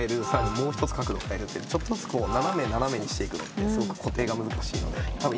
もう一つ角度変えるっていうちょっとずつ斜め斜めにしていくのってすごく固定が難しいのでたぶん